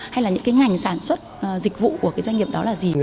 hay là những ngành sản xuất dịch vụ của doanh nghiệp đó là gì